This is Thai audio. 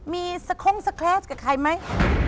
มีสโค้งสเคลสกับใครไหม